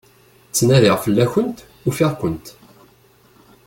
Ttnadiɣ fell-akent, ufiɣ-kent.